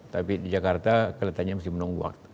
tapi di jakarta kelihatannya masih menunggu waktu